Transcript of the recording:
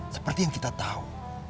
seperti yang kita tahu